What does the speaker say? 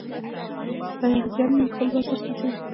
له یهودیانو نه یې خپل بازار ساتلی.